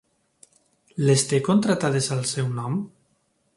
Les té contractades al seu nom?